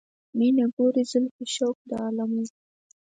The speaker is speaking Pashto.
مینه، ګورې زلفې، شوق د علم و فن